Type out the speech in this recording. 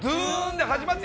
で始まって